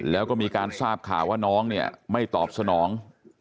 แล้วก็มีการทราบข่าวว่าน้องเนี่ยไม่ตอบสนอง